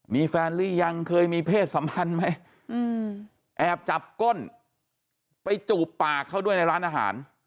มีแฟนหรือยังเคยมีเพศสัมพันธ์ไหมแอบจับก้นไปจูบปากเขาด้วยในร้านอาหาร